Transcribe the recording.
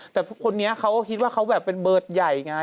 แต่คนนี้เขาก็คิดว่าเขาแบบเป็นเบิร์ตใหญ่ไง